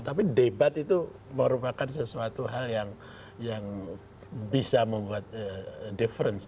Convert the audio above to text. tapi debat itu merupakan sesuatu hal yang bisa membuat difference